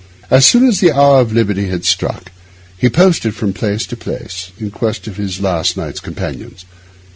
As soon as the hour of liberty had struck he posted from place to place in quest of his last night's companions.